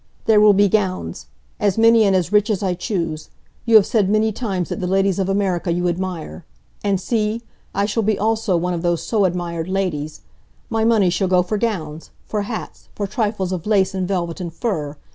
"There will be gowns as many and as rich as I choose. You have said many times that the ladies of Amerika you admire. And see! I shall be also one of those so admired ladies. My money shall go for gowns! For hats! For trifles of lace and velvet and fur!